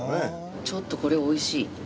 ちょっとこれおいしい。